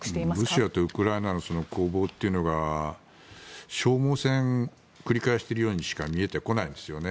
ロシアとウクライナの攻防は消耗戦を繰り返しているようにしか見えてこないですよね。